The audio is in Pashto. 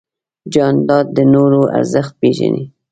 جانداد د نورو ارزښت پېژني.